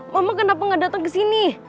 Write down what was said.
mama kenapa gak datang kesini